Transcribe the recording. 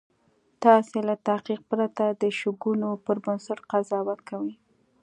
تاسې له تحقیق پرته د شکونو پر بنسټ قضاوت کوئ